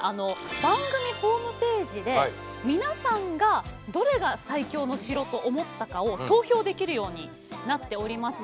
番組ホームページで皆さんがどれが最強の城と思ったかを投票できるようになっておりますので。